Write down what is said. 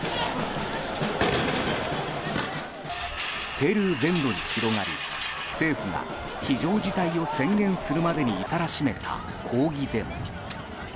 ペルー全土に広がり政府が非常事態を宣言するまでに至らしめた抗議デモ。